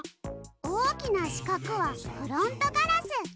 おおきなしかくはフロントガラス。